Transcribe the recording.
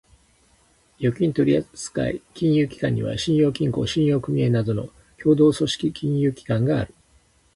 預金取扱金融機関には、信用金庫、信用組合などの協同組織金融機関がある。